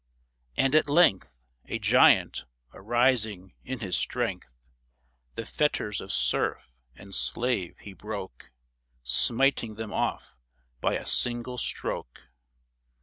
And at length — A giant arising in his strength — The fetters of serf and slave he broke, Smiting them off by a single stroke